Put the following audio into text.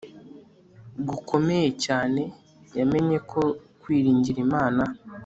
gukomeye cyane yamenye ko kwiringira Imana